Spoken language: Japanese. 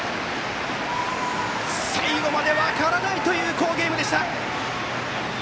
最後まで分からないという好ゲームでした。